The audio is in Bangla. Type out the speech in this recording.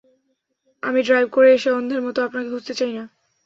আমি ড্রাইভ করে এসে, অন্ধের মতো আপনাকে খুঁজতে চাই না।